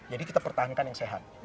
jadi kita pertahankan yang sehat